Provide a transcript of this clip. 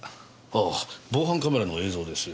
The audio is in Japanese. ああ防犯カメラの映像です。